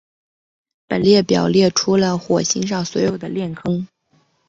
本列表列出了火星上的所有链坑。